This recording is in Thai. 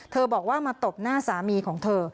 บอกว่ามาตบหน้าสามีของเธอ